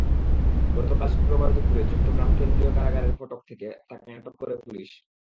গতকাল শুক্রবার দুপুরে চট্টগ্রাম কেন্দ্রীয় কারাগারের ফটক থেকে তাঁকে আটক করে পুলিশ।